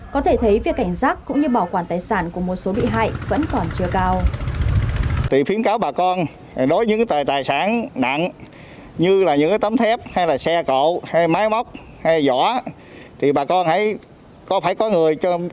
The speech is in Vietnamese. có thể thấy việc cảnh giác cũng như bảo quản tài sản của một số bị hại vẫn còn chưa cao